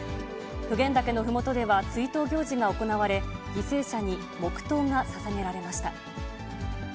普賢岳のふもとでは追悼行事が行われ、犠牲者に黙とうがささげられました。